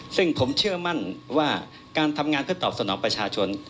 ซึ่งผมเชื่อมั่นว่าการทำงานเพื่อตอบสนองประชาชน